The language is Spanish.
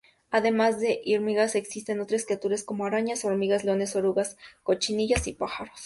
Además de hormigas existen otras criaturas como arañas, hormigas leones, orugas, cochinillas y pájaros.